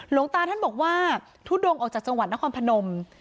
หลวงตาท่านบอกว่าทุดงออกจากจังหวัดนครพนม